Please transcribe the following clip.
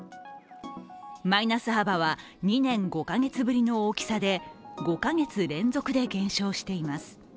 マイナス幅は２年５か月ぶりの大きさで５か月連続で減少しています。